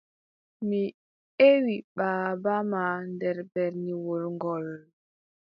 Mi eewi baaba ma nder berniwol ngool.